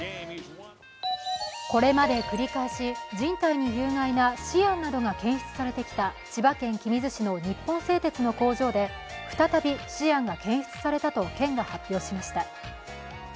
これまで繰り返し人体に有害なシアンなどが検出されてきた千葉県君津市の日本製鉄の工場で再びシアンが検出されたと県が発表しました。